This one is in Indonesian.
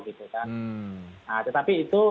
gitu kan nah tetapi itu